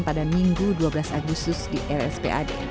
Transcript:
pada minggu dua belas agustus di rspad